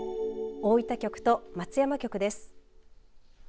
大分局と松山局です。